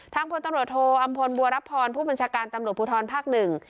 พลตำรวจโทอำพลบัวรับพรผู้บัญชาการตำรวจภูทรภาคหนึ่ง